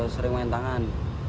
sering main tangan